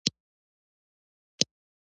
هېواد مو د سولې هیله ده